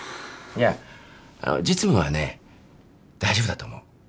いや実務はね大丈夫だと思う。